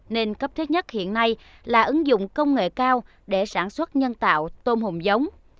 nên cấp thiết nhất hiện nay là ứng dụng công nghệ cao để sản xuất nhân tạo tôm hùm giống